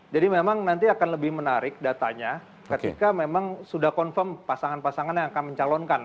jadi memang nanti akan lebih menarik datanya ketika memang sudah confirm pasangan pasangan yang akan mencalonkan